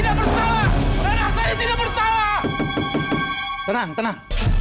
tidak bisa aida tidak bersalah pak mandalas saya tidak bersalah mak holes that dasa tidak berubah